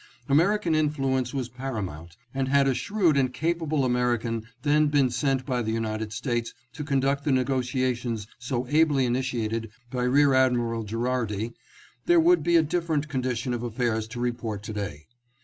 American influence was paramount, and had a shrewd and capable American then been sent by the United States to conduct the negotia tions so ably initiated by Rear Admiral Gherardi, there would be a different condition of affairs to report to day.